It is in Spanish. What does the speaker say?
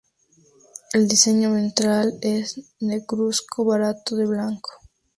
El diseño ventral es negruzco barrado de blanco.